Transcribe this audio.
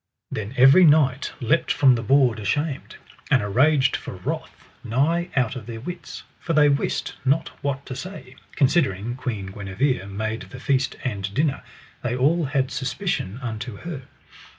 Then every knight leapt from the board ashamed, and araged for wrath, nigh out of their wits. For they wist not what to say; considering Queen Guenever made the feast and dinner, they all had suspicion unto her.